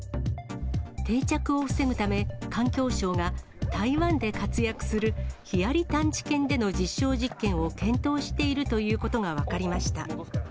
定着を防ぐため、環境省が台湾で活躍するヒアリ探知犬での実証実験を検討しているということが分かりました。